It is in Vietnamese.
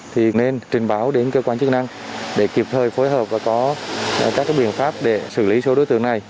thì nên trình báo đến cơ quan chức năng để kịp thời phối hợp và có các biện pháp để xử lý số đối tượng này